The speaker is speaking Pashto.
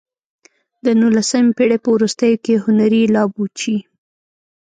د نولسمې پېړۍ په وروستیو کې هنري لابوچي.